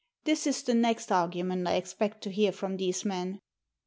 This is the next argument I expect to hear from these men.